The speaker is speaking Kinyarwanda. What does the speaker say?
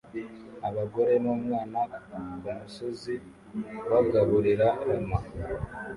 Abagore numwana kumusozi bagaburira lama